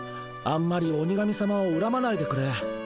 あんまり鬼神さまをうらまないでくれ。